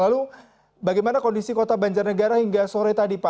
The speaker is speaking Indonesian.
lalu bagaimana kondisi kota banjarnegara hingga sore tadi pak